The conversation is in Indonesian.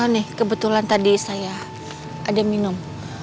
nih kebetulan tadi saya ada minum